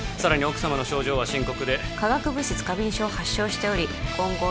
奥様の症状は深刻で化学物質過敏症を発症しており今後